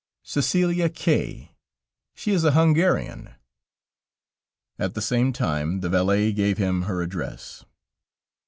"Cæcelia K ; she is a Hungarian." At the same time the valet gave him her address.